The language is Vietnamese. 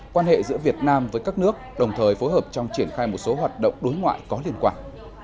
quan hệ giữa việt nam với các nước đồng thời phối hợp trong triển khai một số hoạt động đối ngoại có liên quan